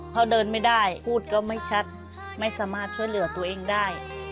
เขาเดินไม่ได้พูดก็ไม่ชัดไม่สามารถช่วยเหลือตัวเองได้